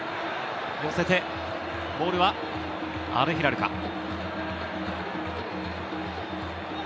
寄せて、ボールはアルヒラルか？